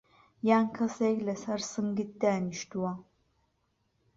یان کەسێک لەسەر سنگت دانیشتووه؟